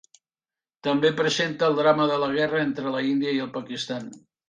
També presenta el drama de la guerra entre la India i el Pakistan.